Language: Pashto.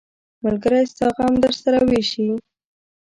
ملګری ستا غم درسره ویشي.